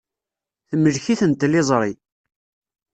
Temlek-iten tliẓri.